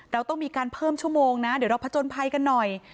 เราต้องมีการเพิ่มชั่วโมงนะเดี๋ยวเราผจญภัยกันหน่อย